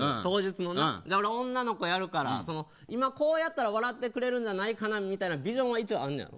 俺、女の子やるからこうやったら笑ってくれるんじゃないかみたいなビジョンはあるんやろ。